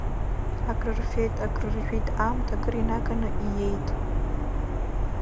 Акрырфеит, акрыржәит, аамҭа акыр инаганы иеит.